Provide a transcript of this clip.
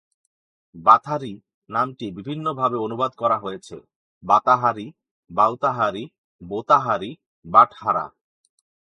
"বাথারী" নামটি বিভিন্নভাবে অনুবাদ করা হয়েছে: "বাতাহারি, বাউতাহারি, বোতাহারি, বাটহারা।